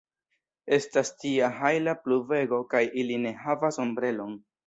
Estas tia hajla pluvego kaj ili ne havas ombrelon!